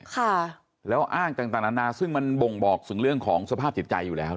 ค่ะแล้วอ้างต่างต่างนานาซึ่งมันบ่งบอกถึงเรื่องของสภาพจิตใจอยู่แล้ว